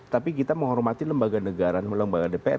tapi kita menghormati lembaga negara lembaga dpr